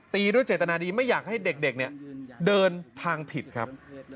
ด้วยเจตนาดีไม่อยากให้เด็กเนี่ยเดินทางผิดครับ